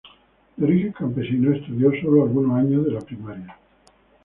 De origen campesino, estudió sólo algunos años de la primaria.